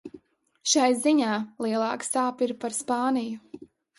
Šai ziņā lielākā sāpe ir par Spāniju.